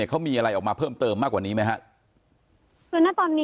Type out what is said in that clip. เขามีอะไรออกมาเพิ่มเติมมากกว่านี้ไหมครับ